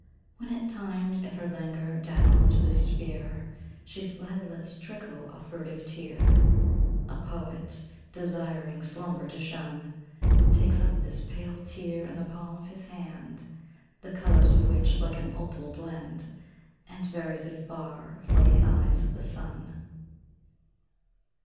When at times, in her languor, down on to this sphere, She slyly lets trickle a furtive tear, A poet, desiring slumber to shun, Takes up this pale tear in the palm of his hand (The colours of which like an opal blend), And buries it far from the eyes of the sun.